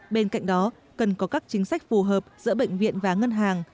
bên cạnh đó cần có các chính sách phù hợp giữa bệnh viện và ngân hàng